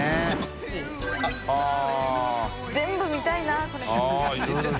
繊全部見たいなこれ。